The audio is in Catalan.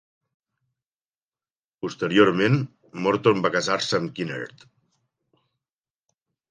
Posteriorment, Morton va casar-se amb Kinnaird.